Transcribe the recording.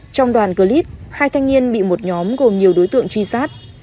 trong đoàn clip hai thanh niên bị một nhóm gồm nhiều đối tượng truy sát